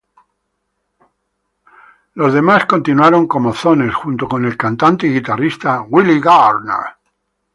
Los demás continuaron como Zones, junto con el cantante y guitarrista Willie Gardner.